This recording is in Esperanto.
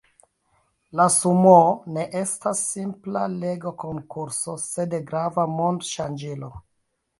La Sumoo ne estas simpla legkonkurso, sed grava mond-ŝanĝilo.